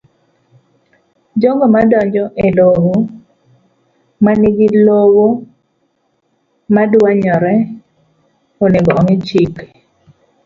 jogo madonjo e lowo ma nigi lowo modwanyore onego omi chike